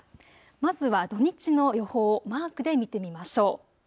まずは土日の予報をマークで見てみましょう。